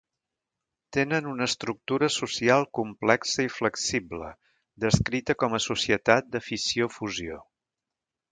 Tenen una estructura social complexa i flexible, descrita com a societat de fissió-fusió.